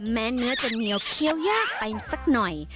แม้เนื้อจะเหนียวเคี้ยวยากไปสักหน่อย